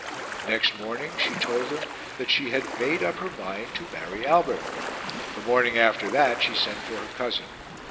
Next morning, she told him that she had made up her mind to marry Albert. The morning after that, she sent for her cousin.